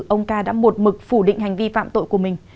ông ca đã một mực phủ định hành vi phạm tội của mình